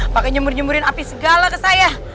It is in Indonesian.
pakai nyembur nyemburin api segala ke saya